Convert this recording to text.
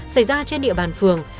xảy ra trên địa bàn phường